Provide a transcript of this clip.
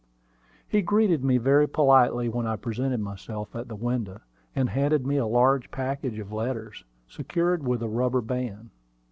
He greeted me very politely when I presented myself at the window, and handed me a large package of letters, secured with a rubber band.